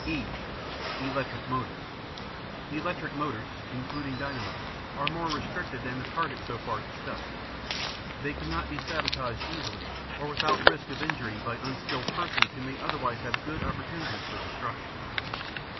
(e) Electric Motors Electric motors (including dynamos) are more restricted than the targets so far discussed. They cannot be sabotaged easily or without risk of injury by unskilled persons who may otherwise have good opportunities for destruction.